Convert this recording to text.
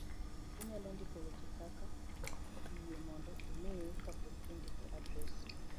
inyalo ndiko weche kaka yie mondo umiye ka pok indiko adres